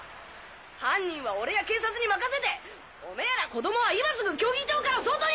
犯人は俺や警察に任せてオメーら子供は今すぐ競技場から外に！！